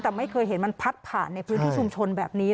แต่ไม่เคยเห็นมันพัดผ่านในพื้นที่ชุมชนแบบนี้